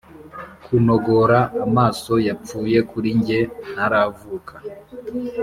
kunogora amaso yapfuye kuri njye, ntaravuka,